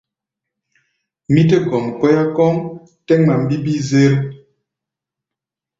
Mí tɛ́ gɔm kɔ́yá kɔ́ʼm tɛ́ ŋma mbímbí-zér.